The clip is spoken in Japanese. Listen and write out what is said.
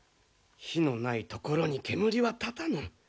「火のない所に煙は立たぬ」。